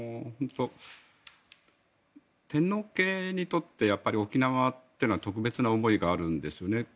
天皇家にとってやっぱり沖縄というのは特別な思いがあるんですよね。